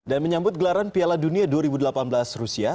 dan menyambut gelaran piala dunia dua ribu delapan belas rusia